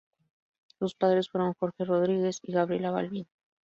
Sus padres fueron Jorge Rodríguez y Gabriela Balbín.